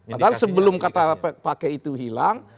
padahal sebelum kata pakai itu hilang